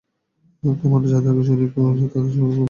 তোমরা যাদেরকে শরীক করেছ তাদেরসহ তোমাদের কর্তব্য স্থির কর।